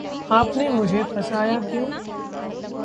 आपने मुझे फँसाया क्यूँ?